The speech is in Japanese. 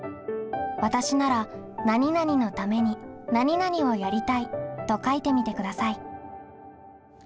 わたしなら何々のために何々をやりたいと書いてみてください。